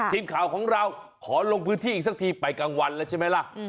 ทีมข่าวของเราขอลงพื้นที่อีกสักทีไปกลางวันแล้วใช่ไหมล่ะ